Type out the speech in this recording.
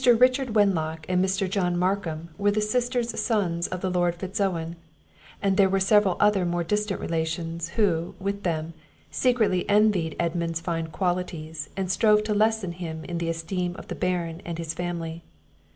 Richard Wenlock, and Mr. John Markham, were the sisters sons of the Lord Fitz Owen; and there were several other more distant relations, who, with them, secretly envied Edmund's fine qualities, and strove to lessen him in the esteem of the Baron and his family.